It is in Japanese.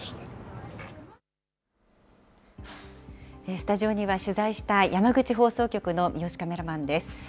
スタジオには取材した山口放送局の三好カメラマンです。